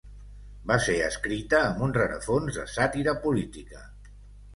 Va ser escrita amb un rerefons de sàtira política.